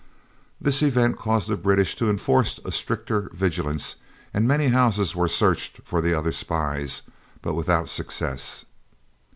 This event caused the British to enforce a stricter vigilance, and many houses were searched for the other spies, but without success.